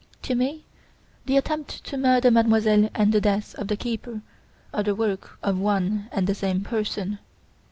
To me the attempt to murder Mademoiselle and the death of the keeper are the work of one and the same person.